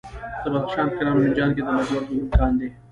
د بدخشان په کران او منجان کې د لاجوردو لوی کان دی.